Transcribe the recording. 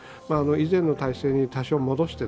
以前の体制に多少戻して。